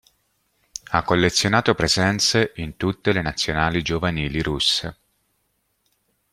Ha collezionato presenze in tutte le nazionali giovanili russe.